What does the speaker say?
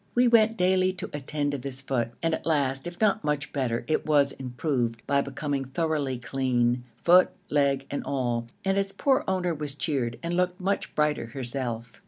We went daily to attend to this foot and at last, if not much better, it was improved by becoming thoroughly clean, foot, leg and all, and its poor owner was cheered and looked much brighter herself.